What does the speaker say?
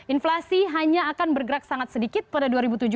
inflasi hanya akan bergerak sangat sedikit pada dua ribu tujuh belas